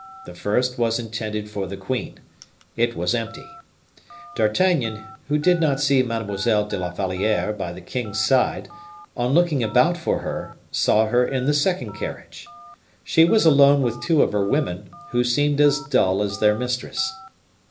The first was intended for the queen; it was empty. D'Artagnan, who did not see Mademoiselle de la Valliere by the king's side, on looking about for her, saw her in the second carriage. She was alone with two of her women, who seemed as dull as their mistress.